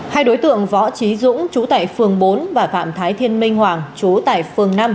hai đối tượng võ trí dũng chú tại phường bốn và phạm thái thiên minh hoàng chú tại phường năm